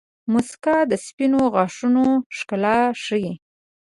• مسکا د سپینو غاښونو ښکلا ښيي.